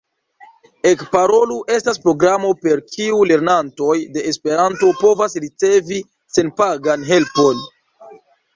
Ekparolu estas programo, per kiu lernantoj de Esperanto povas ricevi senpagan helpon.